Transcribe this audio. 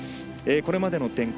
これまでの展開